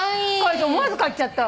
思わず買っちゃった。